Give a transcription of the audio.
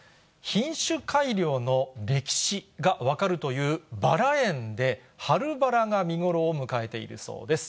品種改良の歴史が分かるというバラ園で、春バラが見頃を迎えているそうです。